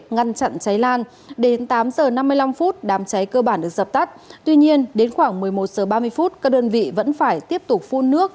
ngăn chặn cháy lan đến tám giờ năm mươi năm phút đám cháy cơ bản được dập tắt tuy nhiên đến khoảng một mươi một h ba mươi phút các đơn vị vẫn phải tiếp tục phun nước